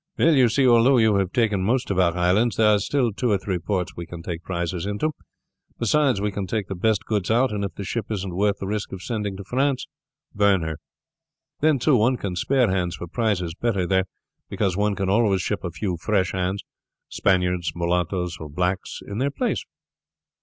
"Well, you see, although you have taken most of our islands, there are still two or three ports we can take prizes into. Beside, we can take the best goods out, and if the ship isn't worth the risk of sending to France burn her. Then, too, one can spare hands for prizes better there; because one can always ship a few fresh hands Spaniards, Mulattos, or blacks in their place."